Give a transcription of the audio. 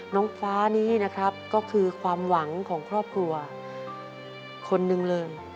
น้องฟ้านี้นะครับก็คือความหวังของครอบครัวคนหนึ่งเลย